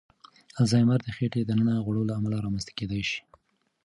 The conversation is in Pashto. الزایمر د خېټې دننه غوړو له امله رامنځ ته کېدای شي.